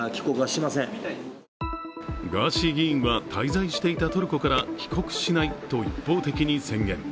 ガーシー議員は滞在していたトルコから帰国しないと一方的に宣言。